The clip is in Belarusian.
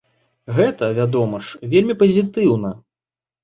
Гэта, вядома ж, вельмі пазітыўна.